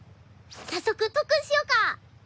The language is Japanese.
早速特訓しよか！